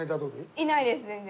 いないです全然。